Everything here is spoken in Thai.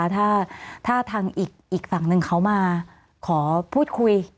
ถ้าทางอีกฝั่งหนึ่งเขามาขอพูดคุย